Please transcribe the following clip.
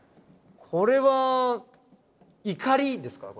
これは碇ですか？